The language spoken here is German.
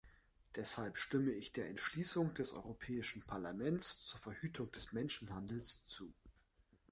Deshalb stimme ich der Entschließung des Europäischen Parlaments zur Verhütung des Menschenhandels zu.